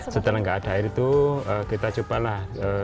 setelah nggak ada air itu kita cobalah